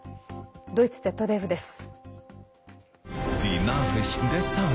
ドイツＺＤＦです。